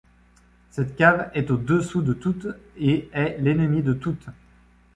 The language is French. Cette cave est au-dessous de toutes et est l’ennemie de toutes.